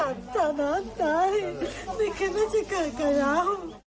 น้องหลักจะน้ำใจไม่คิดว่าจะเกิดกับเรา